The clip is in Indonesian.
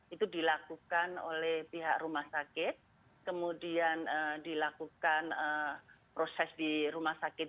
itu dilakukan oleh pihak rumah sakit kemudian dilakukan proses di rumah sakit